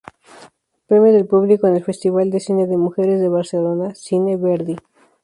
Premio del público en el Festival de Cine de Mujeres de Barcelona, Cine Verdi.